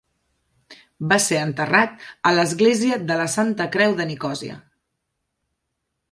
Va ser enterrat a l'església de la Santa Creu de Nicosia.